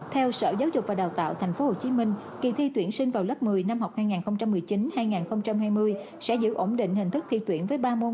theo sở giáo dục và đào tạo tp hcm kỳ thi tuyển sinh vào lớp một mươi năm học hai nghìn một mươi chín hai nghìn hai mươi sẽ giữ ổn định hình thức thi tuyển với ba môn